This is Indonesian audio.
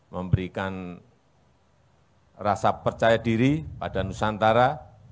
memberikan rasa percaya diri pada nusantara